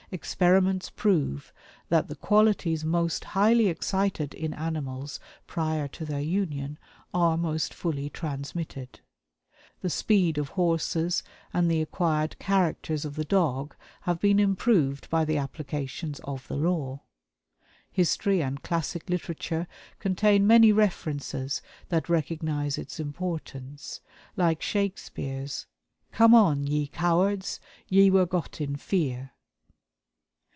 Experiments prove that the qualities most highly excited in animals prior to their union are most fully transmitted. The speed of horses and the acquired characters of the dog have been improved by the applications of the law. History and classic literature contain many references that recognize its importance, like Shakespeare's 'Come on, ye cowards; ye were got in fear.'